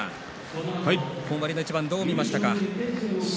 本割の一番どう見ましたか。